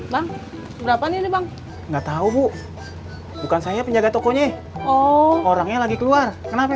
bang berapa nih bang enggak tahu bu bukan saya penjaga tokonya oh orangnya lagi keluar kenapa